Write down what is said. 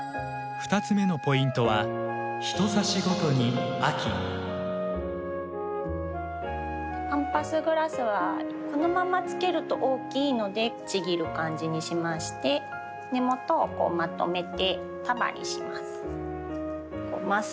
２つ目のポイントはパンパスグラスはこのままつけると大きいのでちぎる感じにしまして根元をまとめて束にします。